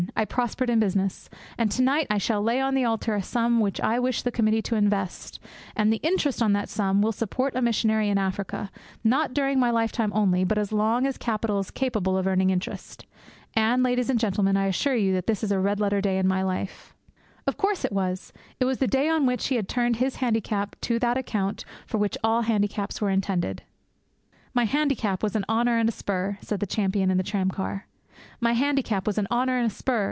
I prospered in business. And to night I shall lay on the altar a sum which I wish the committee to invest, and the interest on that sum will support a missionary in Africa, not during my lifetime only, but as long as capital is capable of earning interest. And, ladies and gentlemen, I assure you that this is a red letter day in my life!' Of course it was! It was the day on which he had turned his handicap to that account for which all handicaps were intended. 'My handicap was an honour and a spur!' said the champion in the tramcar. 'My handicap was an honour and a spur!'